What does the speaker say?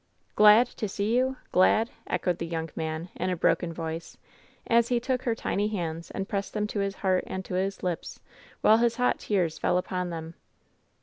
" *Glad' to see you ? ^Glad !'" echoed the young man, in a broken voice, as he took her tiny hands and pressed them to his heart and to his lips, while his hot tears fell upon them.